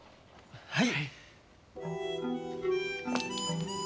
はい。